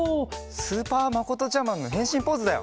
スーパーまことちゃマンのへんしんポーズだよ！